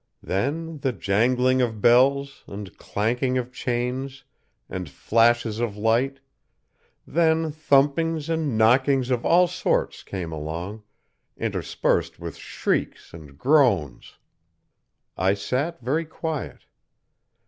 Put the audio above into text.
Then the jangling of bells, and clanking of chains, and flashes of light; then thumpings and knockings of all sorts came along, interspersed with shrieks and groans. I sat very quiet.